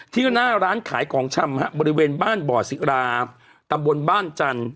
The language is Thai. ที่นะร้านขายของชำฮะบริเวณบ้านบ่อสิระตับบนบ้านจันทร์